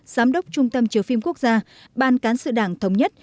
giám đốc trung tâm chiếu phim quốc gia ban cán sự đảng thống nhất